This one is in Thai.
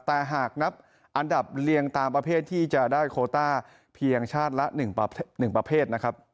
แต่หากนับอันดับเรียงตามประเภทที่จะได้โคต้าเพียงชาติละ๑ประเภทนะครับ